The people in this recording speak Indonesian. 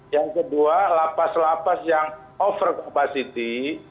yang kedua la paz la paz yang over capacity